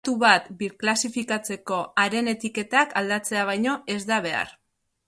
Datu bat birklasifikatzeko haren etiketak aldatzea baino ez da behar.